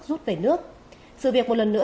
rút về nước sự việc một lần nữa